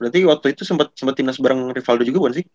berarti waktu itu sempat timnas bareng rivaldo juga bukan sih